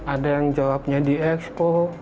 ada yang jawabnya di expo